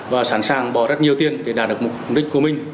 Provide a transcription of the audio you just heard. và sẵn sàng bỏ rất nhiều tiền để đạt được mục đích của mình